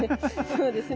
そうですね。